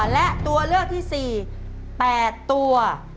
และตัวเลือกที่๔๘ตัว